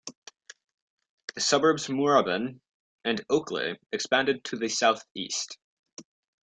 The suburbs Moorabbin and Oakleigh expanded to the south-east.